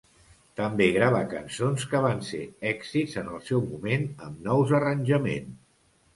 També grava cançons que van ser èxits en el seu moment amb nous arranjaments.